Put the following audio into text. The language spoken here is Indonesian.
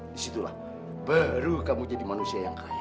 disitulah baru kamu jadi manusia yang kaya